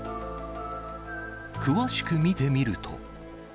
詳しく見てみると。